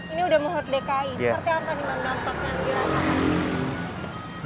ini sudah memulai dki seperti apa nih dampaknya